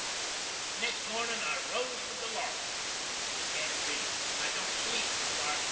The next mornin I 'rose with the lark (N.B. I don't sleep with the lark, tho.'